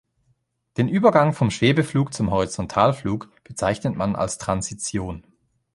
Den Übergang vom Schwebeflug zum Horizontalflug bezeichnet man als Transition.